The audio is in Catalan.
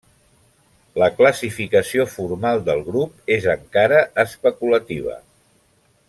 La classificació formal del grup és encara especulativa.